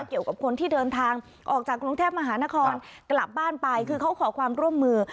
เกี่ยวกับคนที่เดินทางออกจากกรุงเทพมหานครกลับบ้านไปคือเขาขอความร่วมมือ